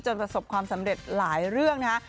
ประสบความสำเร็จหลายเรื่องนะฮะ